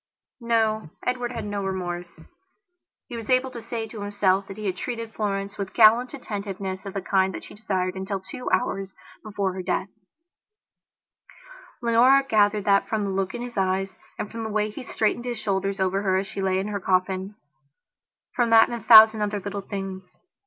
No, Edward had no remorse. He was able to say to himself that he had treated Florence with gallant attentiveness of the kind that she desired until two hours before her death. Leonora gathered that from the look in his eyes, and from the way he straightened his shoulders over her as she lay in her coffinfrom that and a thousand other little things.